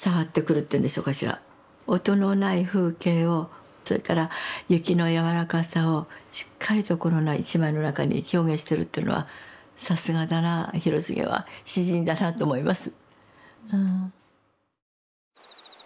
音のない風景をそれから雪の柔らかさをしっかりとこの１枚の中に表現してるっていうのはさすがだな広重は詩人だなと思います。